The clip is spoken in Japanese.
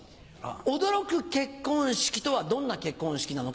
「驚く結婚式」とはどんな結婚式なのか。